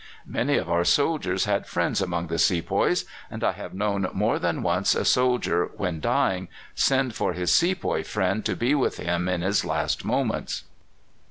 "Many of our soldiers had friends among the sepoys, and I have known more than once a soldier, when dying, send for his sepoy friend to be with him in his last moments."